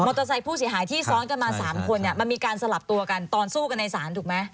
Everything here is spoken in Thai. เตอร์ไซค์ผู้เสียหายที่ซ้อนกันมา๓คนเนี่ยมันมีการสลับตัวกันตอนสู้กันในศาลถูกไหม